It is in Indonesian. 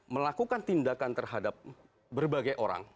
melakukan tindakan terhadap berbagai orang